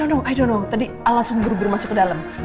i don't know i don't know tadi al langsung buru buru masuk ke dalam